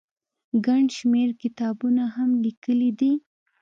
ګڼ شمېر کتابونه هم ليکلي دي